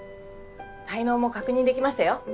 胎嚢も確認できましたよ。